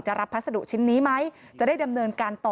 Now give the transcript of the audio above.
รับพัสดุชิ้นนี้ไหมจะได้ดำเนินการต่อ